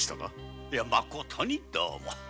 いやまことにどうも。